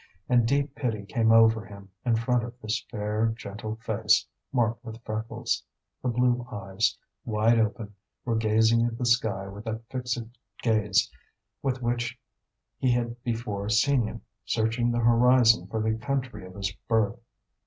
And deep pity came over him in front of this fair gentle face, marked with freckles. The blue eyes, wide open, were gazing at the sky with that fixed gaze with which he had before seen him searching the horizon for the country of his birth.